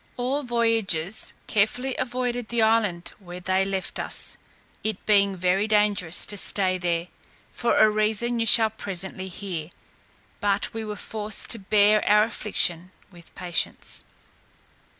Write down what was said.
All voyagers carefully avoided the island where they left us, it being very dangerous to stay there, for a reason you shall presently hear; but we were forced to bear our affliction with patience.